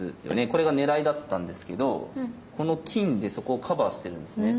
これが狙いだったんですけどこの金でそこをカバーしてるんですね。